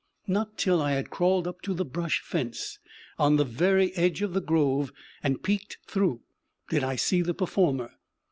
Not till I had crawled up to the brush fence, on the very edge of the grove, and peeked through did I see the performer.